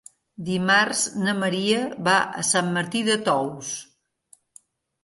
Dimarts na Maria va a Sant Martí de Tous.